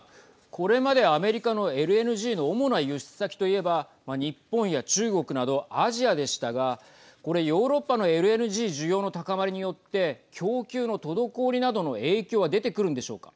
これまでアメリカのＬＮＧの主な輸出先といえば日本や中国などアジアでしたがこれヨーロッパのＬＮＧ需要の高まりによって供給の滞りなどの影響は出てくるのでしょうか。